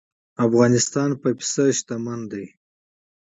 افغانستان په پسه غني دی.